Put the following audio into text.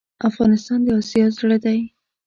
افغانستان دا اسیا زړه ډی